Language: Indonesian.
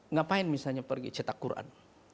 ngapain misalnya pergi cetak quran